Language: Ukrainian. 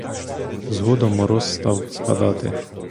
Згодом мороз став спадати.